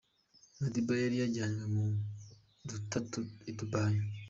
Madiba yari yajyanywe na dutatu i Dubai